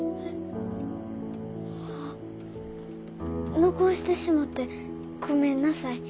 あ残してしもてごめんなさい。